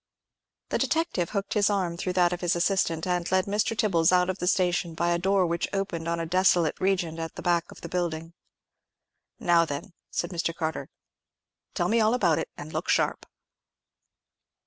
The detective hooked his arm through that of his assistant, and led Mr. Tibbles out of the station by a door which opened on a desolate region at the back of that building. "Now then," said Mr. Carter, "tell me all about it, and look sharp."